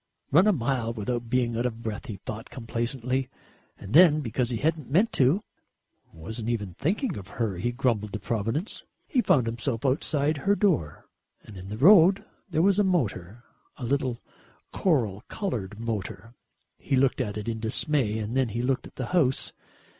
"Run a mile without being out of breath," he thought complacently, and then because he hadn't meant to ("wasn't even thinking of her," he grumbled to Providence) he found himself outside her door. And in the road there was a motor, a little coral coloured motor. He looked at it in dismay and then he looked at the house.